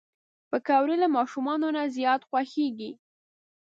پکورې له ماشومانو نه زیات خوښېږي